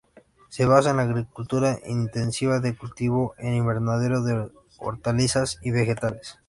Se basa en la agricultura intensiva de cultivo en invernadero de hortalizas y vegetales.